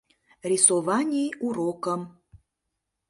Рисований урокым